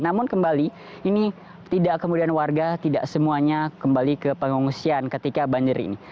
namun kembali ini tidak kemudian warga tidak semuanya kembali ke pengungsian ketika banjir ini